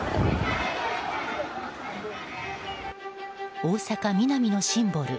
大阪ミナミのシンボル